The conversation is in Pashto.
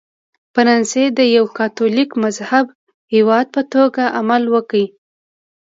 فرانسې د یوه کاتولیک مذهبه هېواد په توګه عمل وکړ.